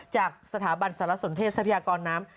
จากสถาบันสารสนเทศทรัพยากรน้ำ